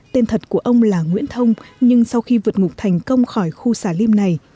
tên thật của ông là nguyễn thông nhưng sau khi vượt ngục thành công khỏi khu xà lim này